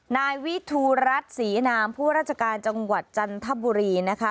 นายวิทูรัฐศรีนามผู้ราชการจังหวัดจันทบุรีนะคะ